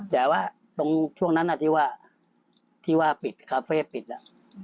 แต่ว่าตรงช่วงนั้นที่ว่าที่ว่าปิดคาเฟ่ปิดแล้ว